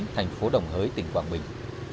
thành phố đồng hới tỉnh quảng bình